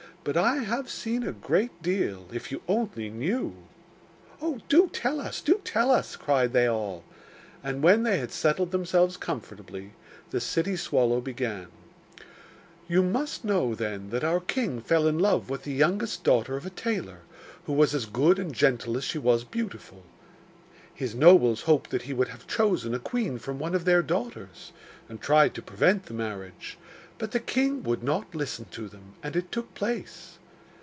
But I have seen a great deal if you only knew!' 'Oh! do tell us! do tell us!' cried they all. And when they had settled themselves comfortably, the city swallow began: 'You must know, then that our king fell in love with the youngest daughter of a tailor, who was as good and gentle as she was beautiful. His nobles hoped that he would have chosen a queen from one of their daughters, and tried to prevent the marriage; but the king would not listen to them, and it took place.